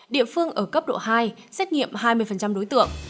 địa phương ở cấp độ hai xét nghiệm hai mươi đối tượng